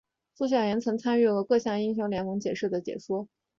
苏小妍曾参与过各项英雄联盟赛事的解说。